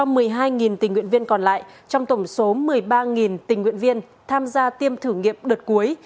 hơn một mươi hai tình nguyện viên còn lại trong tổng số một mươi ba tình nguyện viên tham gia tiêm thử nghiệm đợt cuối